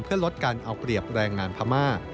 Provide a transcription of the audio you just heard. เพื่อลดการเอาเปรียบแรงงานพม่า